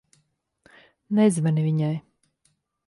Nezvani viņai.